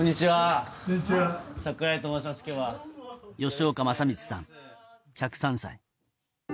吉岡政光さん、１０３歳。